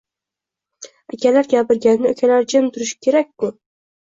Akalar gapirganda ukalar jim turishi kerak-ku